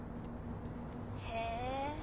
へえ。